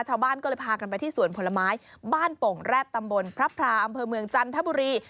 ชาวบ้านก็เลยพากันไปที่สวนผลไม้บ้านโป่งแร็ดตำบลพระพราอำเภอเมืองจันทบุรี